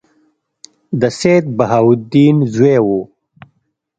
د سیدبهاءالدین زوی وو.